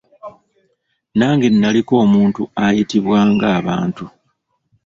Nange naliko omuntu eyatiibwanga abantu.